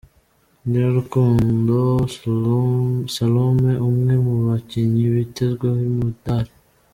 Nyirarukundo Salome umwe mu bakinnyi bitezweho umudali.